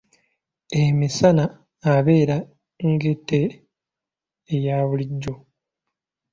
Emisana abeera ng'ente eya bulijjo.